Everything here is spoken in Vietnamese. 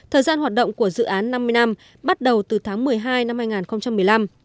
thời gian hoạt động của dự án năm mươi năm bắt đầu từ tháng một mươi hai năm hai nghìn một mươi năm